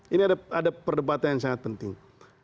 ini ada perdebatan yang sangat penting